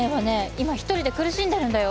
今一人で苦しんでるんだよ？